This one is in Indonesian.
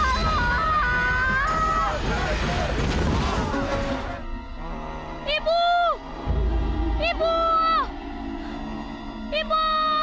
ibu ibu ibu ibu ibu